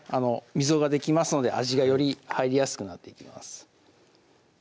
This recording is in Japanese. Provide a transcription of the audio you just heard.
溝ができますので味がより入りやすくなっていきます